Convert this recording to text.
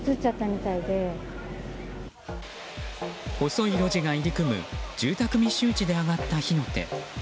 細い路地が入り組む住宅密集地で上がった火の手。